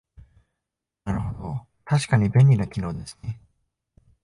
なるほど、確かに便利な機能ですね